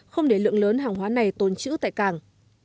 không để lượng lớn hàng hóa này tồn chữ tại cảng